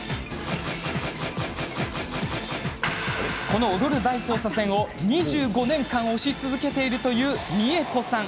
この「踊る大捜査線」を２５年間推し続けているという美恵子さん。